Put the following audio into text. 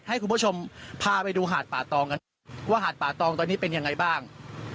ให้คุณผู้ชมพาไปดูหาดป่าตองกันว่าหาดป่าตองตอนนี้เป็นยังไงบ้าง